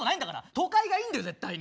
都会がいいんだよ絶対に。